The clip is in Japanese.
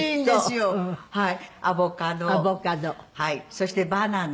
そしてバナナ。